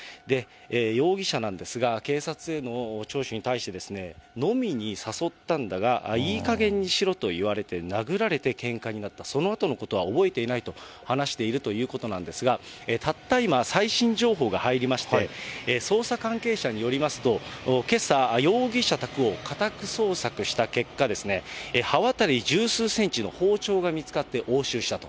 容疑者なんですが、警察への聴取に対して、飲みに誘ったんだが、いいかげんにしろと言われて、殴られてけんかになった、そのあとのことは覚えていないと話しているということなんですが、たった今、最新情報が入りまして、捜査関係者によりますと、けさ、容疑者宅を家宅捜索した結果、刃渡り十数センチの包丁が見つかって押収したと。